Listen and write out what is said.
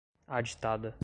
aditada